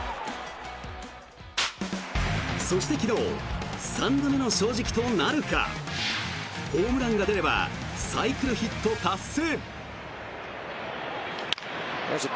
そして昨日、三度目の正直となるかホームランが出ればサイクルヒット達成。